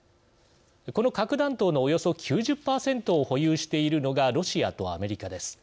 この核弾頭のおよそ９０％を保有しているのがロシアとアメリカです。